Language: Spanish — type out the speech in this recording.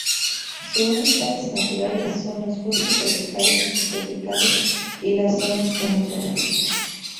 Sus hábitats naturales son los bosques tropicales y subtropicales y las zonas de matorral.